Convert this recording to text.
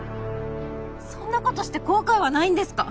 そんなことして後悔はないんですか？